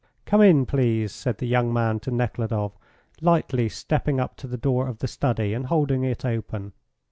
"Come in, please," said the young man to Nekhludoff, lightly stepping up to the door of the study and holding it open.